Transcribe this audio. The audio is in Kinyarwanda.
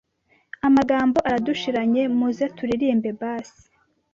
Amagambo aradushiranye muze turirimbe basi